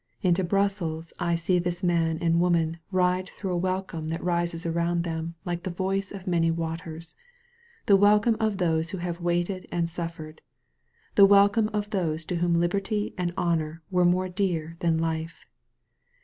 Into Brussels I see this man and woman ride through a welcome that rises around them like the voice of many waters — ^the welcome of those who have waited and suffered, the welcome of those to whom liberty and honor were more dear than life.